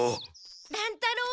乱太郎。